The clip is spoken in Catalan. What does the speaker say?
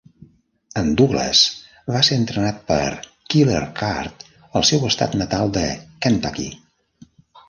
En Douglas va ser entrenat per Killer Kurt al seu estat natal de Kentucky.